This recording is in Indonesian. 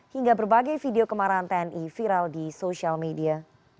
hingga berbagai video kemarahan tni viral di sosial media